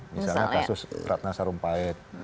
misalnya kasus ratna sarumpahit